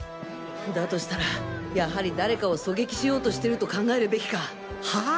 だとしたらやはり誰かを狙撃しようしてると考えるべきか。はあ？